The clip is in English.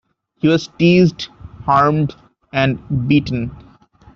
He was teased, harmed, and beaten.